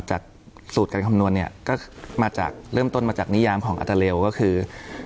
จากสูตรการคำนวณเนี่ยก็มาจากเริ่มต้นมาจากนิยามของอัตราเรลก็คือ